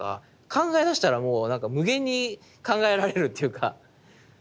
考え出したらもう無限に考えられるっていうかうん。